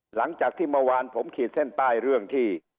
หลังจากที่เมื่อวานผมขีดเส้นใต้เรื่องที่